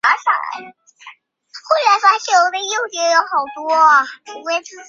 苏联联合地震观测台网亦从当年起率先投入地下核试验监测工作。